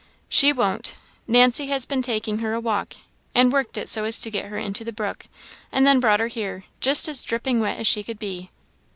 "She won't. Nancy has been taking her a walk, and worked it so as to get her into the brook, and then brought her here, just as dripping wet as she could be.